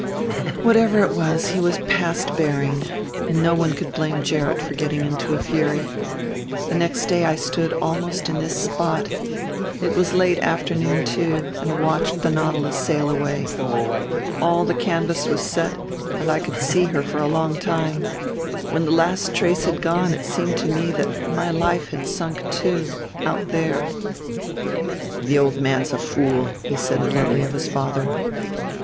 "Whatever it was he was past bearing. No one could blame Gerrit for getting into a fury. The next day I stood almost in this spot, it was late afternoon too, and watched the Nautilus sail away. All the canvas was set and I could see her for a long time. When the last trace had gone it seemed to me that my life had sunk too ... out there." "The old man's a fool," he said bluntly of his father.